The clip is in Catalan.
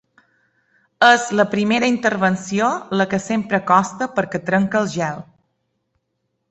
És la primera intervenció, la que sempre costa perquè trenca el gel.